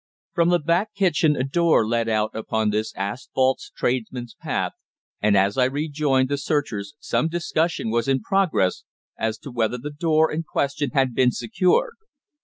From the back kitchen a door led out upon this asphalted tradesmen's path, and as I rejoined the searchers some discussion was in progress as to whether the door in question had been secured.